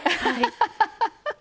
アハハハハ。